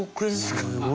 すごい額。